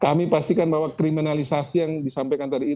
kami pastikan bahwa kriminalisasi yang disampaikan tadi